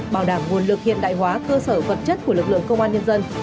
bảo đảm nguồn lực hiện đại hóa cơ sở vật chất của lực lượng công an nhân dân